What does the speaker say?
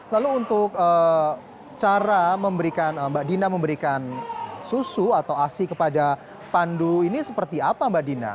lalu untuk cara mbak dina memberikan susu atau asi kepada pandu ini seperti apa mbak dina